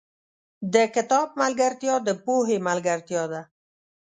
• د کتاب ملګرتیا، د پوهې ملګرتیا ده.